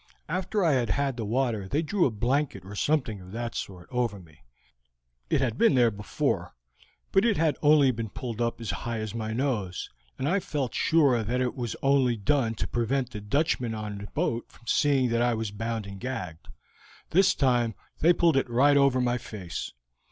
After I had had the water they drew a blanket or something of that sort over me. It had been there before, but it had only been pulled up as high as my nose, and I felt sure that it was only done to prevent the Dutchmen on the boat seeing that I was bound and gagged; this time they pulled it right over my face.